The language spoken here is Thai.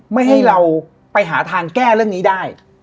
ไม่ให้เราไปหาทางแก้เรื่องนี้ได้